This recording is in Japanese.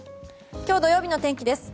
今日土曜日の天気です。